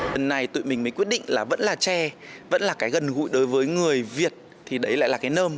hôm nay tụi mình mới quyết định là vẫn là tre vẫn là cái gần gụi đối với người việt thì đấy lại là cái nơm